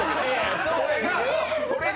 それが！